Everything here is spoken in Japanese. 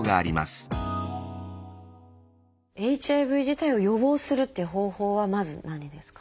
ＨＩＶ自体を予防するっていう方法はまず何ですか？